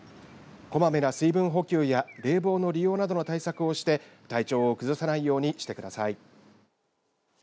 こまめな水分補給や冷房の利用などの対策をして体調を崩さないようにしてください。